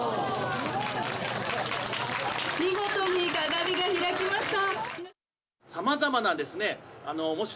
見事に鏡が開きました。